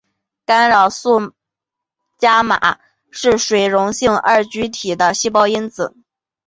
干扰素伽玛是水溶性二聚体的细胞因子。